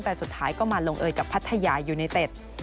แต่สุดท้ายก็มาลงเอยกับพัทยายูเนเต็ด